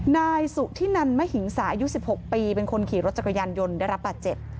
นายสุธินันมหิงสาอายุ๑๖ปีเป็นคนขี่รถจักรยานยนต์ได้รับบาดเจ็บ